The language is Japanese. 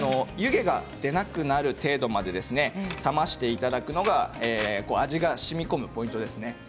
湯気が出なくなる程度まで冷ましていただくのが味がしみこむポイントですね。